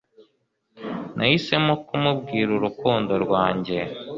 Nahisemo kumubwira urukundo rwanjye.